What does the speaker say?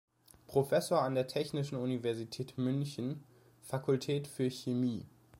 Professor an der Technischen Universität München, Fakultät für Chemie.